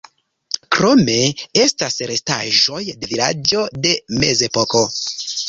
Krome, estas restaĵoj de vilaĝo de Mezepoko.